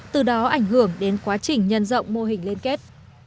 từ đó ảnh hưởng đến quá trình nhân rộng mô hình liên kết